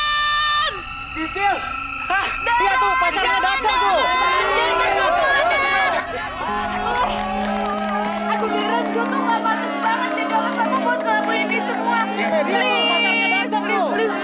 jangan pasang bodo ke labu ini semua